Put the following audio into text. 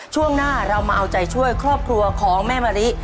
ช่วงหน้าเรามาเอาใจช่วยครอบครัวของแม่มะลิ